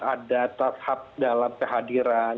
ada tahap dalam kehadiran